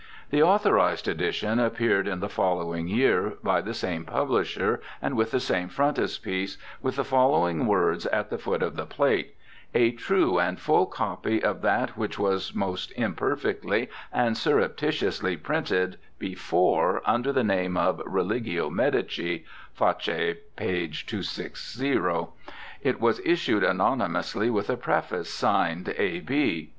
The authorized edition appeared in the following year by the same publisher and with the same frontispiece, with the following words at the foot of the plate :' A true and full copy of that which was most imperfectly and surreptitiously printed before under the name of Religio Medici' (face p. 260). It was issued anonymously, with a preface, signed ' A. B.'